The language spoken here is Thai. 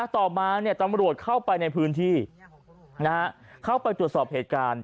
ต่อมาตำรวจเข้าไปในพื้นที่เข้าไปตรวจสอบเหตุการณ์